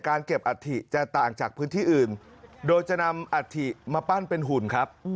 เก็บอัฐิจะต่างจากพื้นที่อื่นโดยจะนำอัฐิมาปั้นเป็นหุ่นครับ